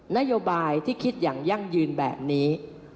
นโยบายที่คิดอย่างยั่งยืนแบบนี้